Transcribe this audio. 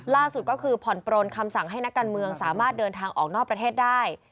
ล่าสุดก็คือผ่อนปลนคำสั่งให้นักการเมืองสามารถเดินทางออกนอกประเทศได้